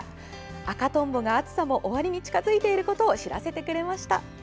赤トンボが、暑さも終わりに近づいていることを知らせてくれました。